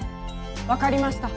分かりました。